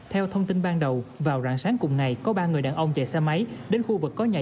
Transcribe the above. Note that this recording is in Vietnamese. theo thông tin ban đầu vào rạng sáng cùng ngày có ba người đàn ông chạy xe máy đến khu vực có nhà